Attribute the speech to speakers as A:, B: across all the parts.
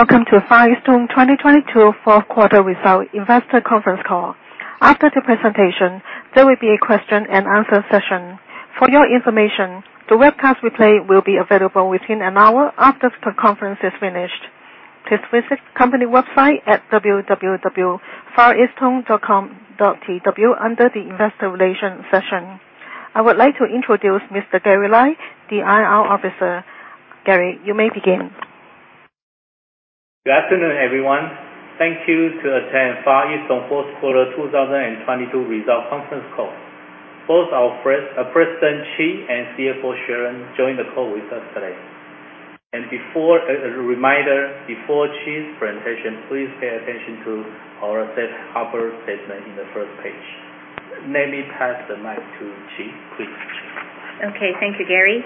A: Welcome to Far EasTone 2022 fourth quarter result investor conference call. After the presentation, there will be a question and answer session. For your information, the webcast replay will be available within an hour after the conference is finished. Please visit company website at www.fareasttone.com.tw under the investor relation session. I would like to introduce Mr. Gary Lai, the IR officer. Gary, you may begin.
B: Good afternoon, everyone. Thank you to attend Far EasTone fourth quarter 2022 result conference call. Both our President Chee and CFO Sharon join the call with us today. A reminder, before Chee's presentation, please pay attention to our safe harbor statement in the first page. Let me pass the mic to Chee. Please, Chee.
C: Okay. Thank you, Gary.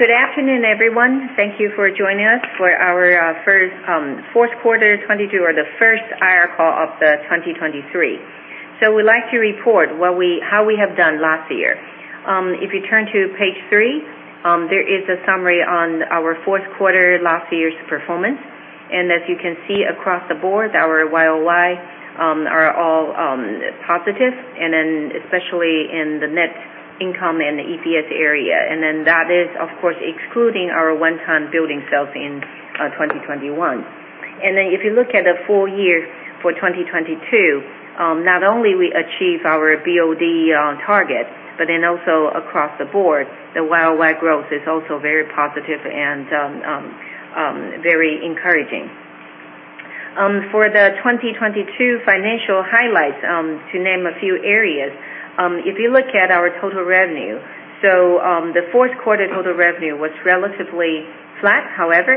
C: Good afternoon, everyone. Thank you for joining us for our first fourth quarter 22 or the first IR call of the 2023. We'd like to report how we have done last year. If you turn to page 3, there is a summary on our fourth quarter last year's performance. As you can see across the board, our YOY are all positive, especially in the net income and the EPS area. That is, of course, excluding our one-time building sales in 2021. If you look at the full year for 2022, not only we achieve our BOD target, but then also across the board the YOY growth is also very positive and very encouraging. For the 2022 financial highlights, to name a few areas, if you look at our total revenue. The fourth quarter total revenue was relatively flat. However,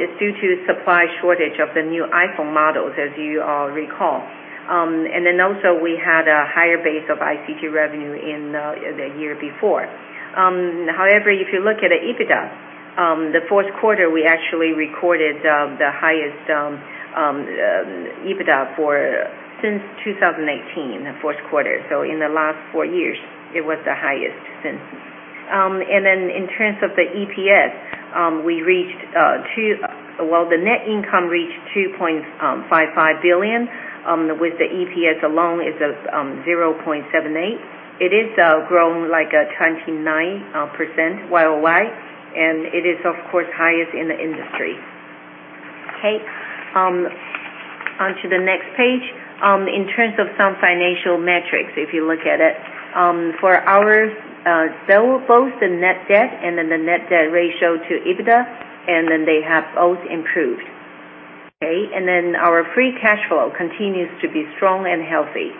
C: it's due to supply shortage of the new iPhone models, as you all recall. We had a higher base of ICT revenue in the year before. However, if you look at the EBITDA, the fourth quarter we actually recorded the highest EBITDA since 2018, the fourth quarter. In the last four years, it was the highest since. In terms of the EPS, the net income reached 2.55 billion, with the EPS alone is 0.78. It is grown like 29% YOY. It is of course highest in the industry. Okay. Onto the next page. In terms of some financial metrics, if you look at it, for our both the net debt and the net debt ratio to EBITDA, they have both improved. Okay. Our free cash flow continues to be strong and healthy.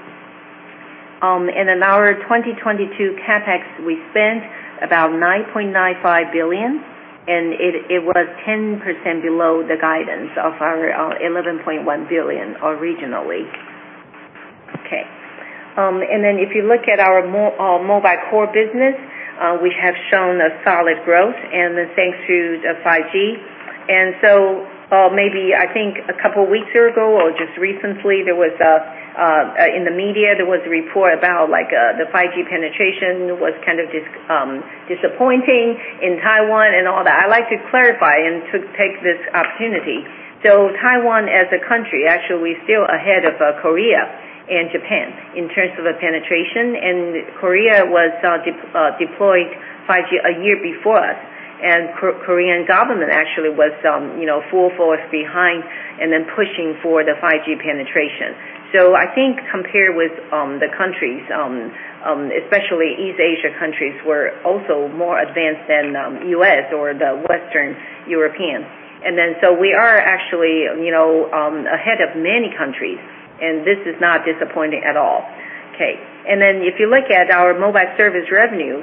C: Our 2022 CapEx, we spent about 9.95 billion, and it was 10% below the guidance of our 11.1 billion originally. Okay. If you look at our mobile core business, we have shown a solid growth, thanks to the 5G. maybe I think a couple weeks ago or just recently, there was a report about like, the 5G penetration was kind of disappointing in Taiwan and all that. I'd like to clarify and to take this opportunity. Taiwan as a country, actually we're still ahead of Korea and Japan in terms of the penetration. Korea was deployed 5G a year before us. Korean government actually was, full force behind and then pushing for the 5G penetration. I think compared with the countries, especially East Asia countries were also more advanced than U.S. or the Western Europeans. We are actually, ahead of many countries, and this is not disappointing at all. Okay. If you look at our mobile service revenue,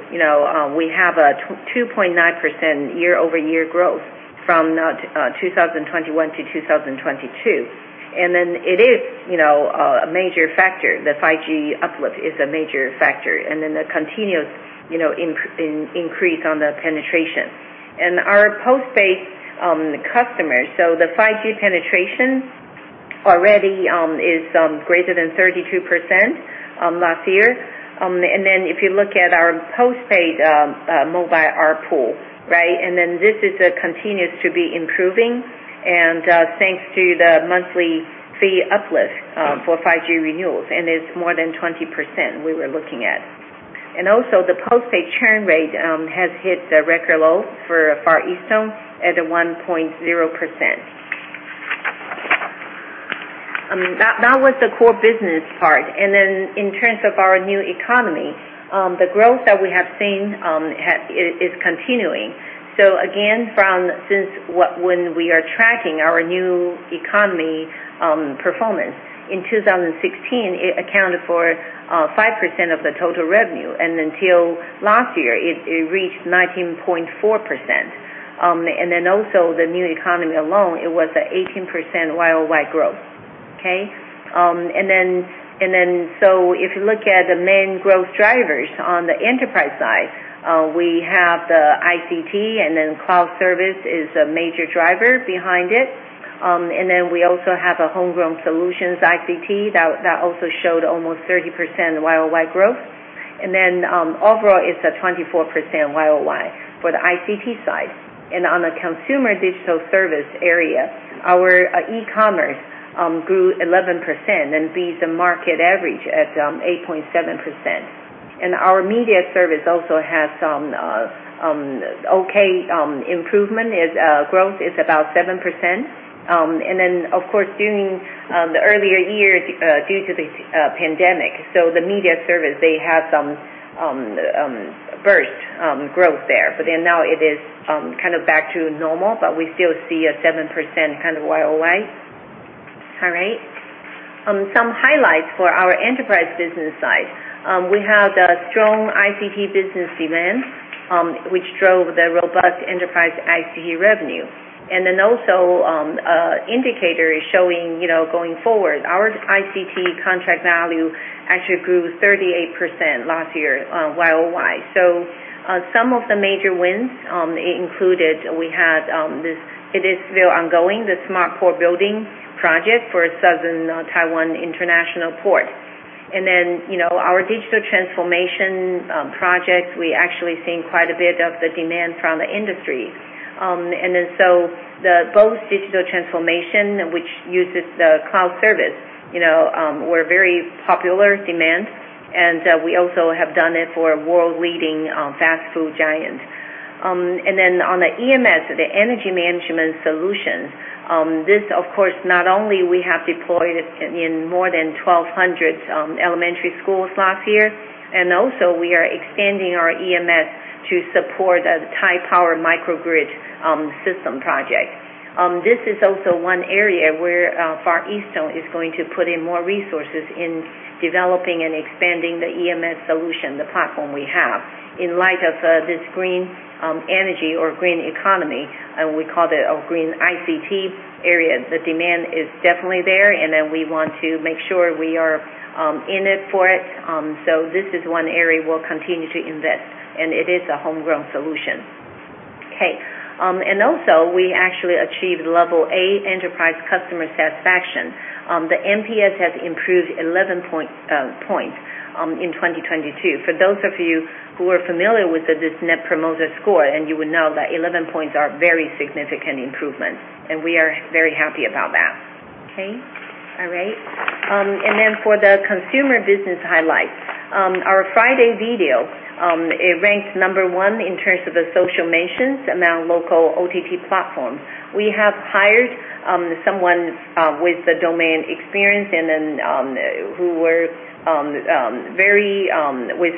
C: we have a 2.9% year-over-year growth from 2021 to 2022. It is, a major factor. The 5G uplift is a major factor, and the continuous, increase on the penetration. Our post-paid customers, so the 5G penetration already is greater than 32% last year. If you look at our post-paid mobile ARPU, right? This is continues to be improving, and thanks to the monthly fee uplift for 5G renewals, and it's more than 20% we were looking at. Also the post-paid churn rate has hit the record low for Far EasTone at 1.0%. That was the core business part. In terms of our new economy, the growth that we have seen is continuing. Again, since when we are tracking our new economy performance, in 2016 it accounted for 5% of the total revenue. Until last year it reached 19.4%. Also the new economy alone, it was at 18% YOY growth. Okay? If you look at the main growth drivers on the enterprise side, we have the ICT, and then cloud service is a major driver behind it. We also have a homegrown solutions ICT that also showed almost 30% YOY growth. Overall, it's a 24% YOY for the ICT side. On the consumer digital service area, our e-commerce grew 11% and beat the market average at 8.7%. Our media service also has some okay improvement. Its growth is about 7%. Of course, during the earlier years, due to the pandemic, so the media service, they had some burst growth there. Now it is kind of back to normal, but we still see a 7% kind of YOY. All right. Some highlights for our enterprise business side. We have a strong ICT business demand, which drove the robust enterprise ICT revenue. Also, indicator is showing, going forward, our ICT contract value actually grew 38% last year, YOY. Some of the major wins included we had it is still ongoing, the smart core building project for Southern Taiwan International Port. Our digital transformation project, we actually seen quite a bit of the demand from the industry. The both digital transformation, which uses the cloud service, were very popular demand, and we also have done it for a world-leading fast food giant. On the EMS, the energy management solution, this, of course, not only we have deployed it in more than 1,200 elementary schools last year, and also we are extending our EMS to support a Taipower microgrid system project. This is also one area where Far EasTone is going to put in more resources in developing and expanding the EMS solution, the platform we have. In light of this green energy or green economy, we call it our green ICT area, the demand is definitely there, we want to make sure we are in it for it. This is one area we'll continue to invest, and it is a homegrown solution. Okay. Also we actually achieved level A enterprise customer satisfaction. The NPS has improved 11 points in 2022. For those of you who are familiar with this Net Promoter Score, you would know that 11 points are very significant improvements, we are very happy about that. Okay. All right. Then for the consumer business highlights, our friDay Video, it ranked number one in terms of the social mentions among local OTT platforms. We have hired someone with the domain experience and then who were very with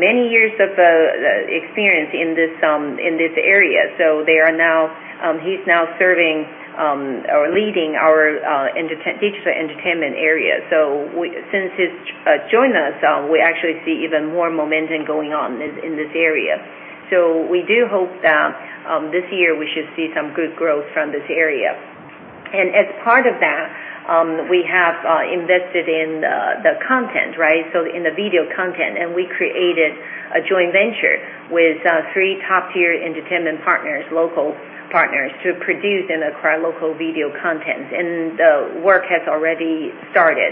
C: many years of experience in this area. They are now, he's now serving or leading our digital entertainment area. We Since he's joined us, we actually see even more momentum going on in this area. We do hope that this year we should see some good growth from this area. As part of that, we have invested in the content, right? In the video content, we created a joint venture with 3 top-tier entertainment partners, local partners, to produce and acquire local video content. The work has already started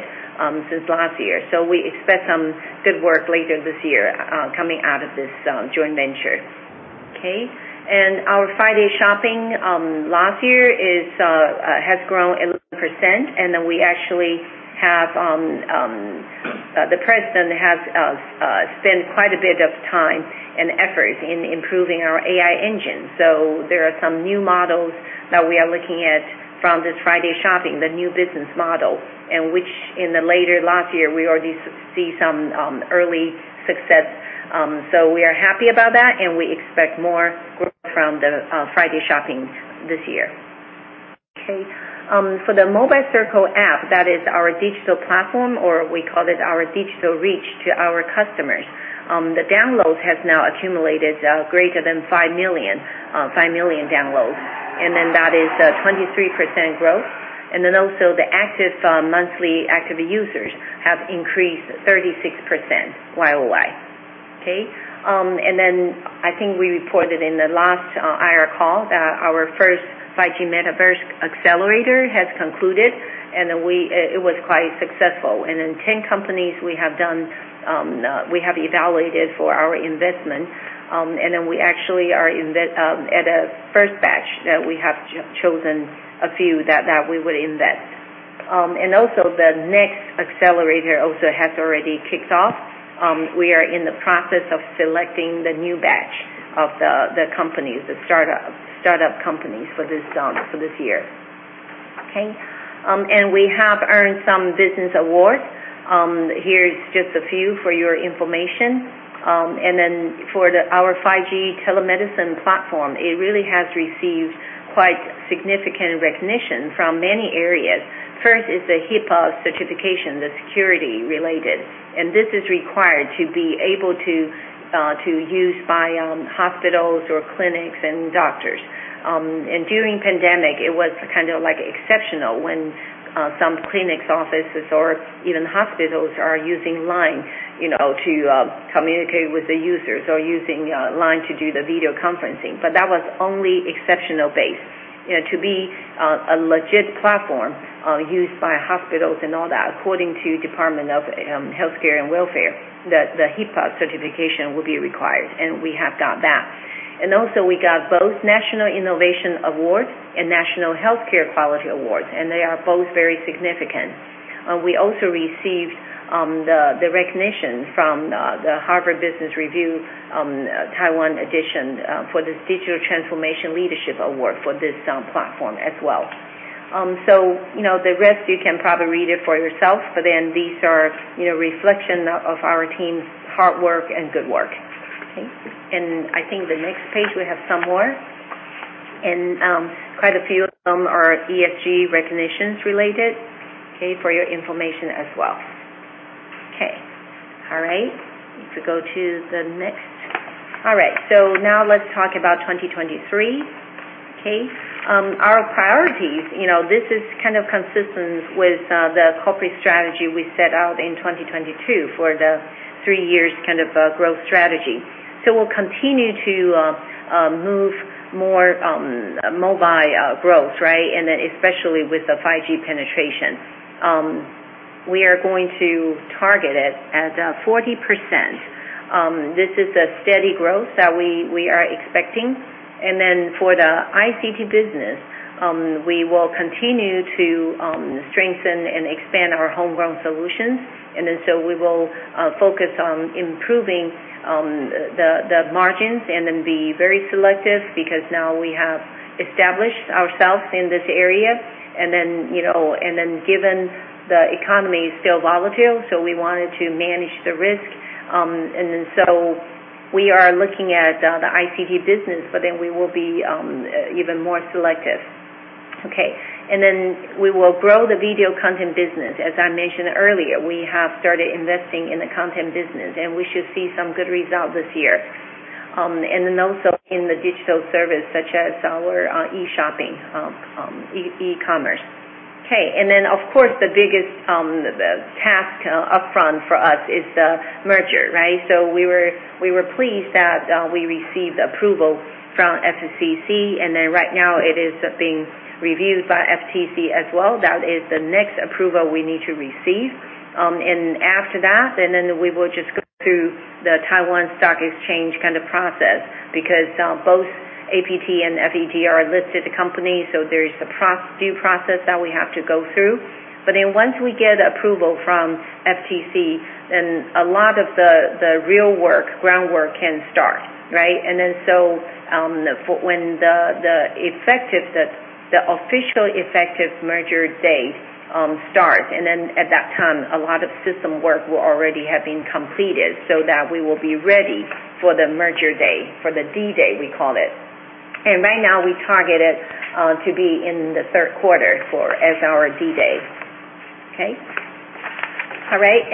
C: since last year. We expect some good work later this year coming out of this joint venture. Okay. Our friDay Shopping last year has grown 11%, we actually have the president has spent quite a bit of time and effort in improving our AI engine. There are some new models that we are looking at from this friDay Shopping, the new business model, and which in the later last year we already see some early success. We are happy about that, we expect more growth from the friDay Shopping this year. Okay. For the Mobile Circle app, that is our digital platform, or we call it our digital reach to our customers, the downloads has now accumulated greater than 5 million downloads. That is 23% growth. Also the active monthly active users have increased 36% YOY. Okay. I think we reported in the last IR call that our first 5G Metaverse Accelerator has concluded, and then it was quite successful. In 10 companies we have done, we have evaluated for our investment, and then we actually are invest at a first batch that we have chosen a few that we would invest. Also the next accelerator also has already kicked off. We are in the process of selecting the new batch of the companies, the startup companies for this year. Okay. We have earned some business awards. Here is just a few for your information. For our 5G telemedicine platform, it really has received quite significant recognition from many areas. First is the HIPAA certification, the security related. This is required to be able to use by hospitals or clinics and doctors. During pandemic, it was kind of like exceptional when some clinics, offices, or even hospitals are using LINE, to communicate with the users or using LINE to do the video conferencing. That was only exceptional base. To be a legit platform, used by hospitals and all that, according to Ministry of Health and Welfare, the HIPAA certification will be required, and we have got that. We got both National Innovation Award and National Healthcare Quality Award. They are both very significant. We also received the recognition from the Harvard Business Review Taiwan edition for this Digital Transformation leadership award for this platform as well. The rest you can probably read it for yourself, these are, reflection of our team's hard work and good work. Okay. I think the next page we have some more, quite a few of them are FEG recognitions related, okay? For your information as well. Okay. All right. If we go to the next. All right. Now let's talk about 2023. Our priorities. This is kind of consistent with the corporate strategy we set out in 2022 for the three years kind of growth strategy. We'll continue to move more mobile growth, right? Especially with the 5G penetration. We are going to target it at 40%. This is a steady growth that we are expecting. For the ICT business, we will continue to strengthen and expand our homegrown solutions. We will focus on improving the margins and then be very selective because now we have established ourselves in this area. And then given the economy is still volatile, so we wanted to manage the risk. We are looking at the ICT business, but then we will be even more selective. Okay. We will grow the video content business. As I mentioned earlier, we have started investing in the content business, and we should see some good result this year. Also in the digital service, such as our e-shopping, e-commerce. Okay. Of course, the biggest task upfront for us is the merger, right? We were pleased that we received approval from FCC, and then right now it is being reviewed by FTC as well. That is the next approval we need to receive. After that, we will just go through the Taiwan Stock Exchange kind of process because both APT and FEG are listed company, there is a process, due process that we have to go through. Once we get approval from FTC, a lot of the real work, groundwork can start, right? For when the official effective merger date starts, at that time, a lot of system work will already have been completed so that we will be ready for the merger day, for the D-Day, we call it. Right now, we target it to be in the third quarter for as our D-Day. Okay? All right.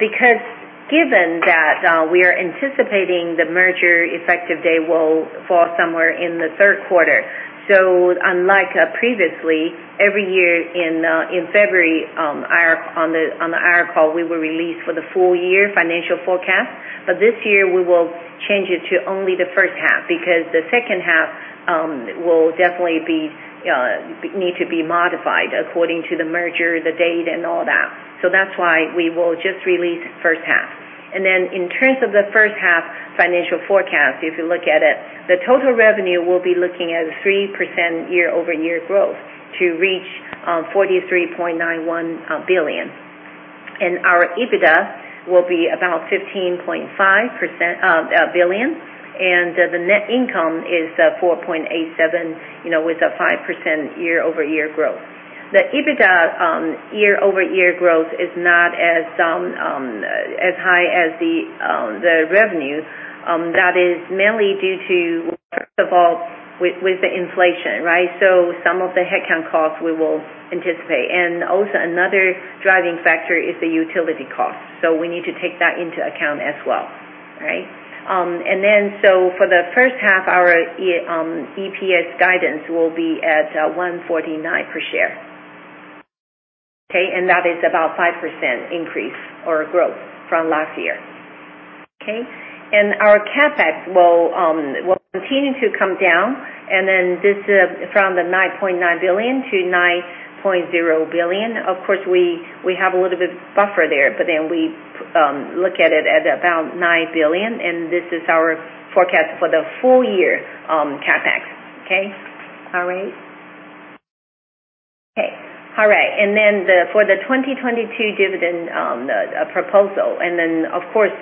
C: Because given that we are anticipating the merger effective day will fall somewhere in the third quarter. Unlike, previously, every year in February, our, on the, on the IR call, we will release for the full year financial forecast. This year we will change it to only the first half, because the second half will definitely be need to be modified according to the merger, the date and all that. That's why we will just release first half. In terms of the first half financial forecast, if you look at it, the total revenue will be looking at 3% year-over-year growth to reach 43.91 billion. Our EBITDA will be about 15.5 billion, and the net income is 4.87, with a 5% year-over-year growth. The EBITDA year-over-year growth is not as high as the revenue. That is mainly due to, first of all, with the inflation, right? Some of the headcount costs we will anticipate. Also another driving factor is the utility cost. We need to take that into account as well. All right? For the first half, our EPS guidance will be at 1.49 per share. Okay? That is about 5% increase or growth from last year. Okay? Our CapEx will continue to come down. This, from 9.9 billion-9.0 billion. Of course, we have a little bit buffer there. We look at it at about 9 billion, and this is our forecast for the full year CapEx. Okay? All right. Okay. All right. For the 2022 dividend proposal, of course,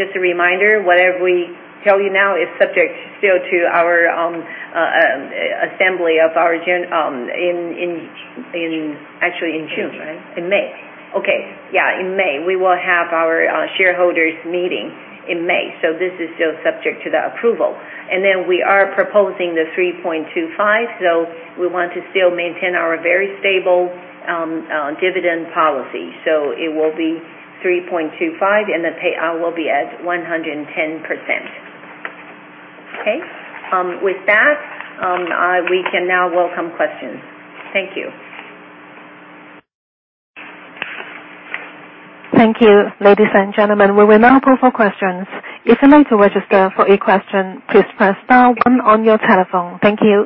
C: just a reminder, whatever we tell you now is subject still to our assembly of our gen, actually in June, right? In May. Okay. Yeah. In May. We will have our shareholders meeting in May, so this is still subject to the approval. We are proposing the 3.25. We want to still maintain our very stable dividend policy. It will be 3.25, and the payout will be at 110%. Okay? With that, we can now welcome questions. Thank you.
A: Thank you. Ladies and gentlemen, we will now open for questions. If you'd like to register for a question, please press star 1 on your telephone. Thank you.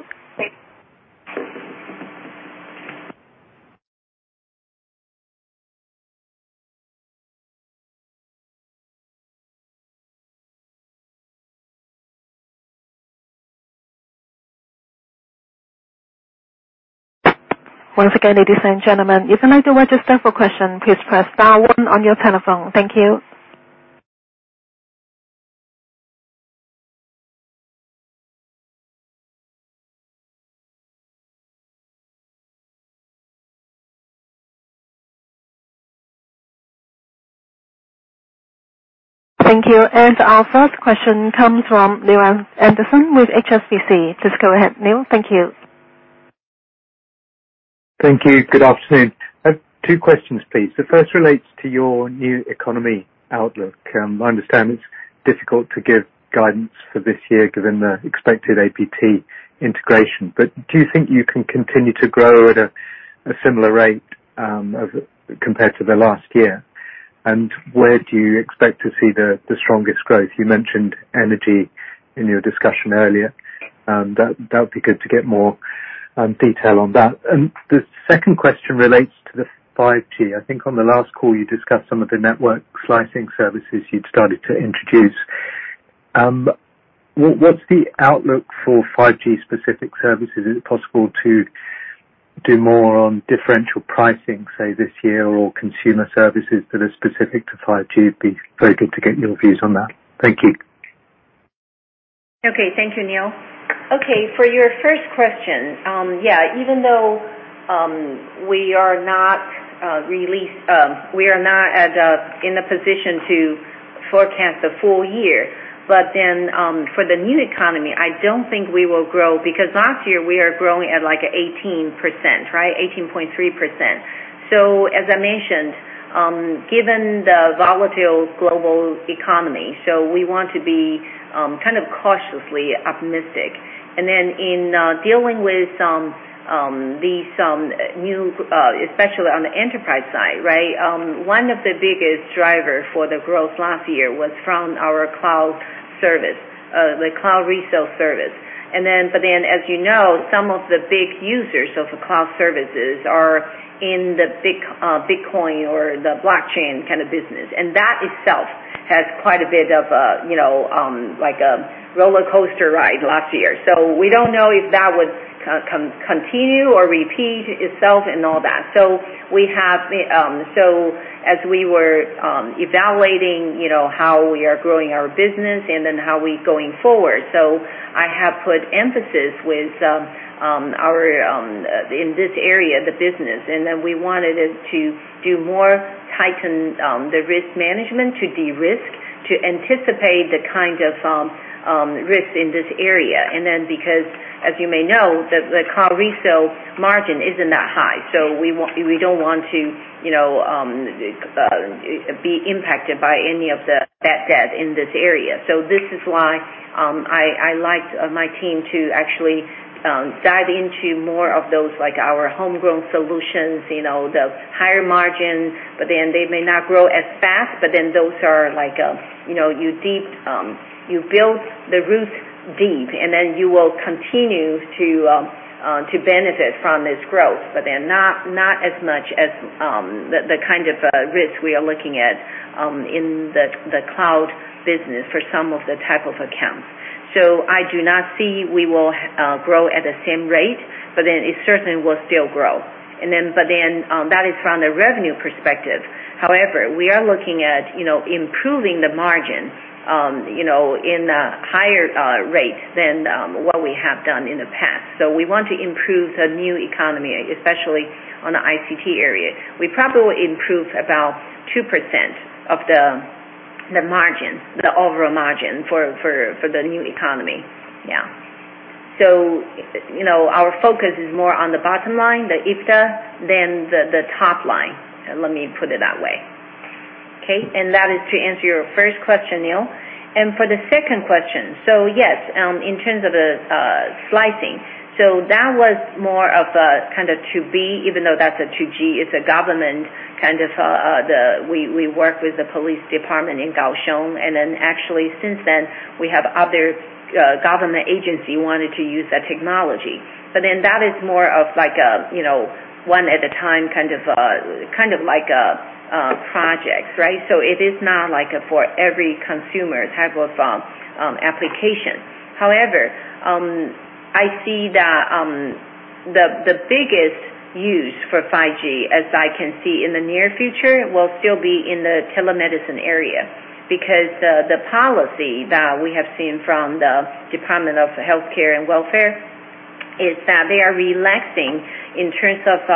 A: Once again, ladies and gentlemen, if you'd like to register for question, please press star 1 on your telephone. Thank you. Thank you. Our first question comes from Neale Anderson with HSBC. Please go ahead, Neale. Thank you.
D: Thank you. Good afternoon. I have two questions, please. The first relates to your new economy outlook. I understand it's difficult to give guidance for this year given the expected APT integration, but do you think you can continue to grow at a similar rate as compared to the last year? Where do you expect to see the strongest growth? You mentioned energy in your discussion earlier, and that would be good to get more detail on that. The second question relates to the 5G. I think on the last call you discussed some of the network slicing services you'd started to introduce. What's the outlook for 5G specific services? Is it possible to do more on differential pricing, say, this year or consumer services that are specific to 5G? Be very good to get your views on that. Thank you.
C: Thank you, Neale. For your first question, even though we are not in a position to forecast the full year. For the new economy, I don't think we will grow because last year we are growing at like 18%, right? 18.3%. As I mentioned, given the volatile global economy, we want to be kind of cautiously optimistic. In dealing with some new, especially on the enterprise side, right, one of the biggest driver for the growth last year was from our cloud service, the cloud resale service. As some of the big users of the cloud services are in the Bitcoin or the blockchain kind of business. That itself has quite a bit of a, like a rollercoaster ride last year. We don't know if that would continue or repeat itself and all that. We have, as we were evaluating, how we are growing our business and then how we're going forward. I have put emphasis with our in this area of the business, and then we wanted it to do more tighten the risk management to de-risk, to anticipate the kind of risk in this area. Because, as you may know, the cloud resale margin isn't that high, we don't want to, be impacted by any of the bad debt in this area. This is why, I liked my team to actually dive into more of those, like our homegrown solutions, the higher margin. They may not grow as fast, but then those are like, you deep, you build the roots deep, and then you will continue to benefit from this growth, but then not as much as the kind of risk we are looking at in the cloud business for some of the type of accounts. I do not see we will grow at the same rate, but then it certainly will still grow. That is from the revenue perspective. However, we are looking at, improving the margin, in a higher rate than what we have done in the past. We want to improve the new economy, especially on the ICT area. We probably improve about 2% of the margin, the overall margin for the new economy. Our focus is more on the bottom line, the EBITDA, than the top line. Let me put it that way. Okay? That is to answer your first question, Neale. For the second question. Yes, in terms of the slicing. That was more of a kind of to be, even though that's a 2G, it's a government kind of, the. We work with the police department in Kaohsiung, actually since then we have other government agency wanted to use the technology. That is more of like a, one at a time kind of, kind of like a project, right? It is not like a for every consumer type of application. However, I see the biggest use for 5G as I can see in the near future will still be in the telemedicine area, because the policy that we have seen from the Ministry of Health and Welfare is that they are relaxing in terms of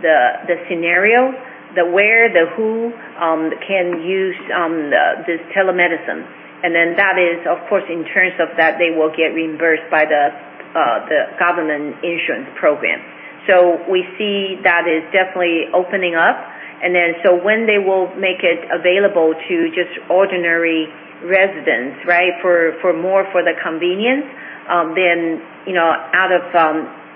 C: the scenario, the where, the who can use this telemedicine. That is of course in terms of that they will get reimbursed by the government insurance program. We see that is definitely opening up. When they will make it available to just ordinary residents, right? For more for the convenience, then, out of,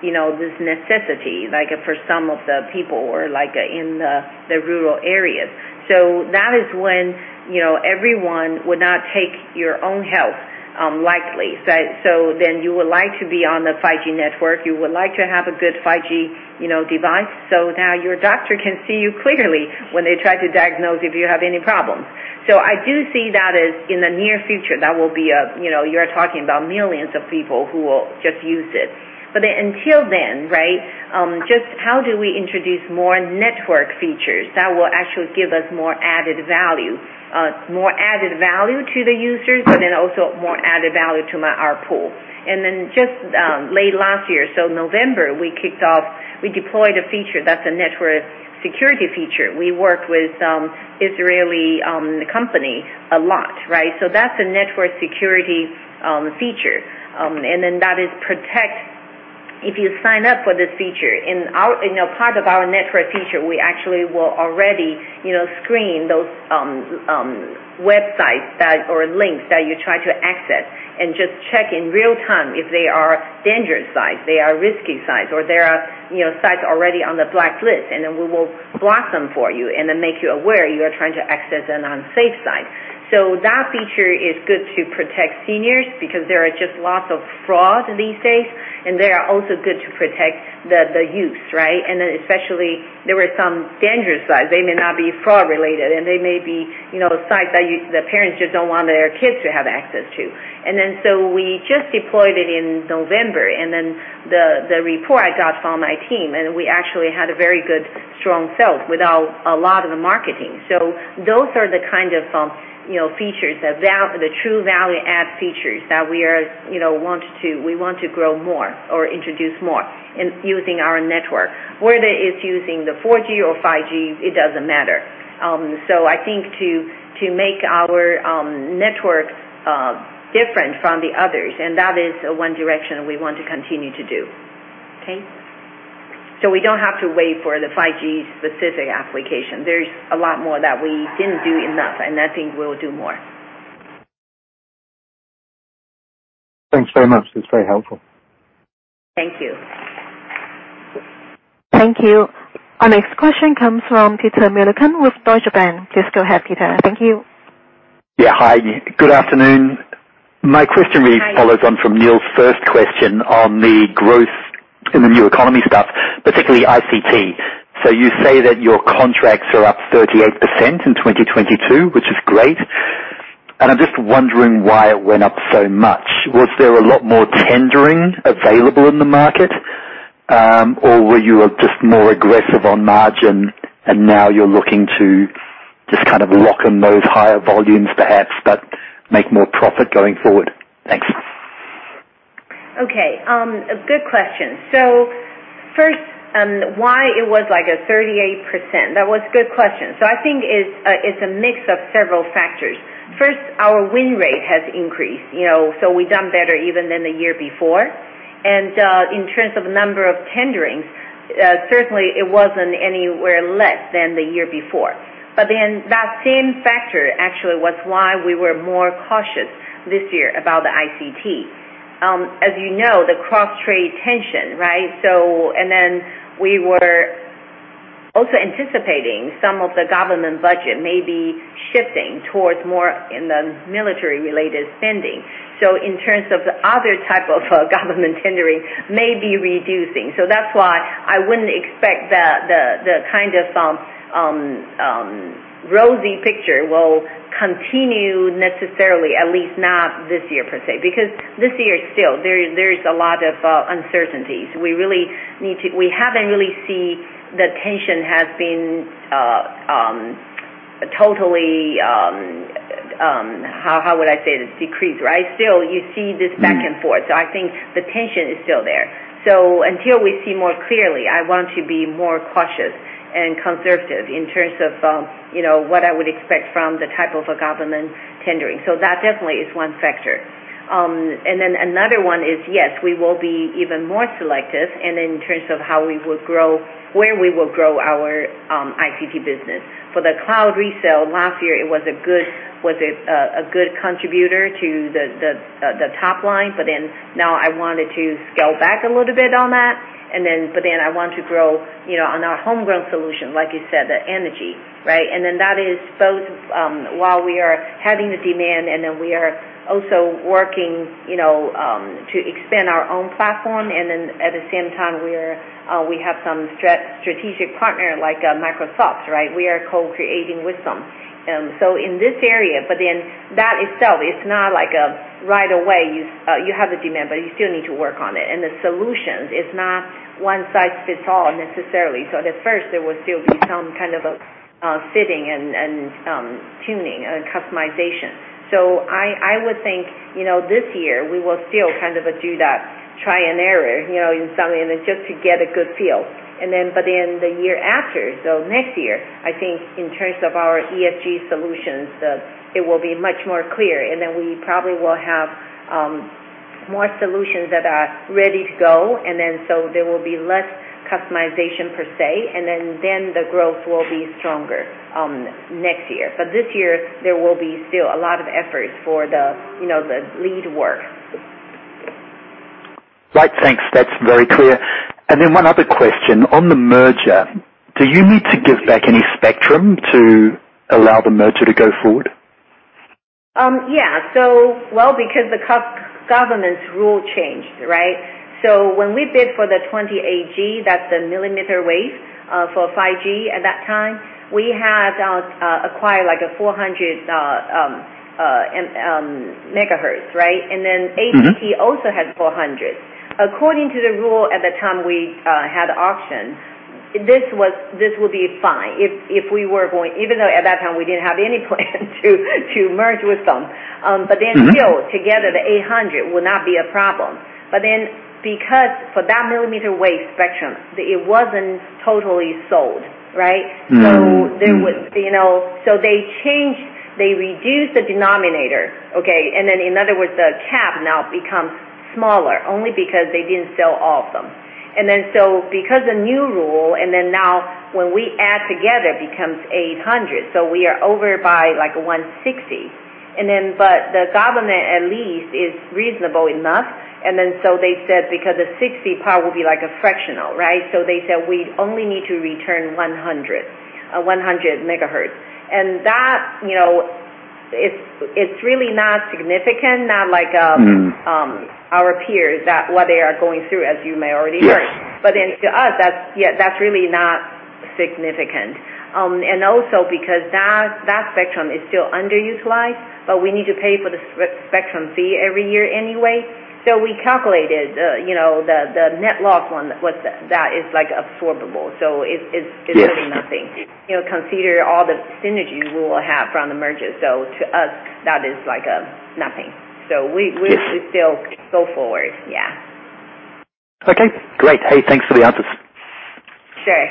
C: this necessity, like for some of the people or like in the rural areas. That is when, everyone would not take your own health, likely. Then you would like to be on the 5G network, you would like to have a good 5G, device. Now your doctor can see you clearly when they try to diagnose if you have any problems. I do see that as in the near future, that will be a, you're talking about millions of people who will just use it. Until then, right, just how do we introduce more network features that will actually give us more added value, more added value to the users, and then also more added value to our pool. Just, late last year, so November, we kicked off. We deployed a feature that's a network security feature. We worked with Israeli company a lot, right? That's a network security feature. That is protect. If you sign up for this feature in a part of our network feature, we actually will already, screen those websites that or links that you try to access and just check in real time if they are dangerous sites, they are risky sites, or they are, sites already on the blacklist, and then we will block them for you and then make you aware you are trying to access an unsafe site. That feature is good to protect seniors because there are just lots of fraud these days, and they are also good to protect the youths, right? Especially there were some dangerous sites. They may not be fraud related, and they may be, sites that the parents just don't want their kids to have access to. We just deployed it in November. The report I got from my team. We actually had a very good strong sales without a lot of the marketing. Those are the kind of, features, the true value add features that we are, we want to grow more or introduce more in using our network. Whether it's using the 4G or 5G, it doesn't matter. I think to make our network different from the others, and that is one direction we want to continue to do. Okay? We don't have to wait for the 5G specific application. There's a lot more that we didn't do enough, and I think we'll do more.
D: Thanks very much. It's very helpful.
C: Thank you.
A: Thank you. Our next question comes from Peter Milliken with Deutsche Bank. Please go ahead, Peter. Thank you.
E: Hi. Good afternoon. My question really follows on from Neale's first question on the growth in the new economy stuff, particularly ICT. You say that your contracts are up 38% in 2022, which is great. I'm just wondering why it went up so much. Was there a lot more tendering available in the market, or were you just more aggressive on margin and now you're looking to just kind of lock in those higher volumes perhaps, but make more profit going forward? Thanks.
C: Okay, good question. First, why it was like a 38%? That was a good question. I think it's a mix of several factors. First, our win rate has increased. We've done better even than the year before. In terms of number of tendering, certainly it wasn't anywhere less than the year before. That same factor actually was why we were more cautious this year about the ICT. As the cross-strait tension, right? We were also anticipating some of the government budget may be shifting towards more in the military related spending. In terms of the other type of government tendering may be reducing. That's why I wouldn't expect the kind of rosy picture will continue necessarily, at least not this year per se. This year still, there is a lot of uncertainties. We haven't really seen the tension has been totally. How would I say this? decreased, right? Still you see this back and forth. I think the tension is still there. Until we see more clearly, I want to be more cautious and conservative in terms of, what I would expect from the type of a government tendering. That definitely is one factor. Another one is, yes, we will be even more selective and in terms of how we would grow, where we will grow our ICT business. For the cloud resale, last year it was a good contributor to the top line. Now I wanted to scale back a little bit on that. I want to grow, on our homegrown solution, like you said, the energy, right? That is both, while we are having the demand, we are also working, to expand our own platform. At the same time we are, we have some strategic partner like Microsoft, right? We are co-creating with them. So in this area, that itself is not like a right away you have the demand, but you still need to work on it. The solutions is not one size fits all necessarily. At first there will still be some kind of fitting and tuning and customization. I would think, this year we will still kind of do that trial and error, just to get a good feel. The year after, next year, I think in terms of our ESG solutions, it will be much more clear. We probably will have more solutions that are ready to go. There will be less customization per se, the growth will be stronger next year. This year there will be still a lot of efforts for the, the lead work.
E: Right. Thanks. That's very clear. One other question. On the merger, do you need to give back any spectrum to allow the merger to go forward?
C: Well, because the government's rule changed, right? When we bid for the 28 GHz, that's the millimeter wave, for 5G at that time, we had acquired like a 400 megahertz, right? APT also had 400. According to the rule at the time we had the auction, this will be fine if we were going. Even though at that time, we didn't have any plans to merge with them. still together, the 800 would not be a problem. Because for that millimeter wave spectrum, it wasn't totally sold, right? There was, they changed, they reduced the denominator, okay. In other words, the cap now becomes smaller only because they didn't sell all of them. Because the new rule, now when we add together becomes 800, we are over by like 160. The government at least is reasonable enough. They said because the 60 part would be like a fractional, right. They said we only need to return 100 megahertz. That, it's really not significant, not like. Our peers that what they are going through, as you may already heard.
E: Yes.
C: To us, that's, yeah, that's really not significant. Also because that spectrum is still underutilized, but we need to pay for the spectrum fee every year anyway. We calculated, the net loss on what that is like absorbable. It's really nothing. Consider all the synergies we'll have from the merger. To us, that is like, nothing.
E: Yes.
C: We still go forward.
F: Okay, great. Hey, thanks for the answers.
C: Sure.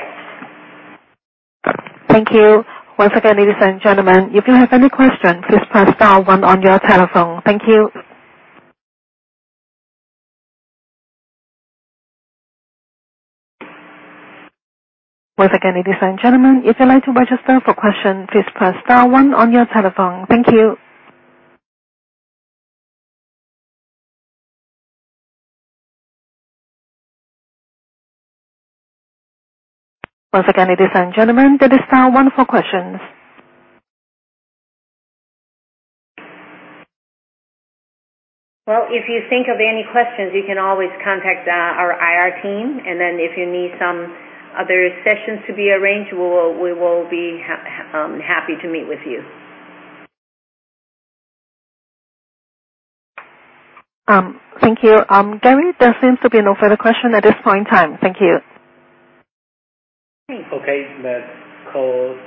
A: Thank you. Once again, ladies and gentlemen, if you have any questions, please press star one on your telephone. Thank you. Once again, ladies and gentlemen, if you'd like to register for question, please press star 1 on your telephone. Thank you. Once again, ladies and gentlemen, that is star one for questions.
C: Well, if you think of any questions, you can always contact our IR team. If you need some other sessions to be arranged, we will be happy to meet with you.
A: Thank you. Gary, there seems to be no further question at this point in time. Thank you.